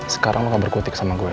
sekarang lo gak berkutik sama gue